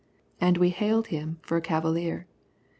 And we hailed him for a cavalier.